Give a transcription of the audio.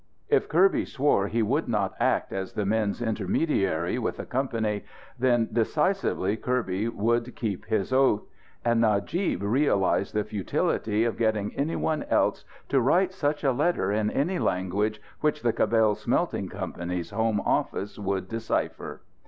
If Kirby swore he would not act as the men's intermediary with the company, then decisively Kirby would keep his oath. And Najib realized the futility of getting any one else to write such a letter in any language which the Cabell Smelting Company's home office would decipher.